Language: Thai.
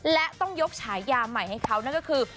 และต้องยกฉายาใหม่ให้เขานั่นก็คือ